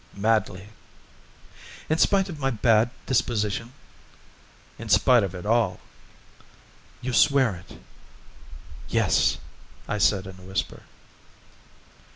"Madly." "In spite of my bad disposition?" "In spite of all." "You swear it?" "Yes," I said in a whisper.